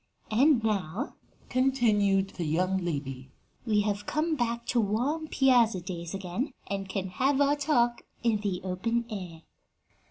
And now," continued the young lady, "we have come back to warm piazza days again, and can have our talk in the open air."